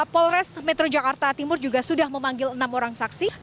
polres metro jakarta timur juga sudah memanggil enam orang saksi